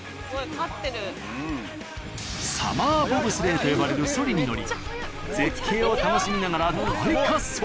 サマーボブスレーと呼ばれるそりに乗り絶景を楽しみながら大滑走。